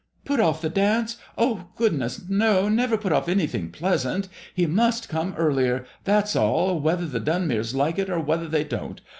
Put off the dance? Oh, good ness! no. Never put off any thing pleasant. He must come earlier, that's all, whether the Dunmeres like it or whether they don't.